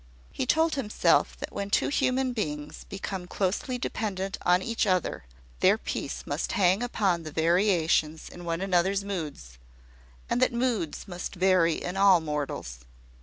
He told himself that when two human beings become closely dependent on each other, their peace must hang upon the variations in one another's moods; and that moods must vary in all mortals.